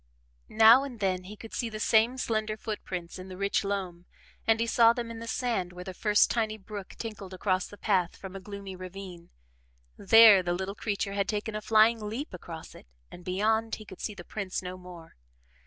Now and then he could see the same slender foot prints in the rich loam and he saw them in the sand where the first tiny brook tinkled across the path from a gloomy ravine. There the little creature had taken a flying leap across it and, beyond, he could see the prints no more.